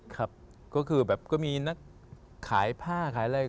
ครับก็คือแบบก็มีนักขายผ้าขายอะไร